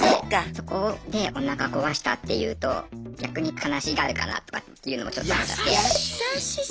そこでおなか壊したっていうと逆に悲しがるかなとかっていうのもちょっと思っちゃって。